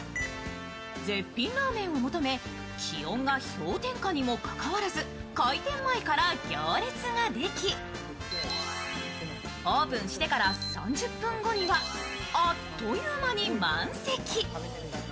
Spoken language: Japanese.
絶品ラーメンを求め気温が氷点下にもかかわらず開店前から行列ができ、オープンしてから３０分後にはあっという間に満席。